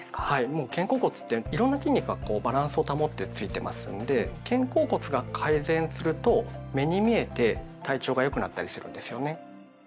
もう肩甲骨っていろんな筋肉がバランスを保ってついてますんで肩甲骨が改善すると目に見えて体調がよくなったりするんですよね。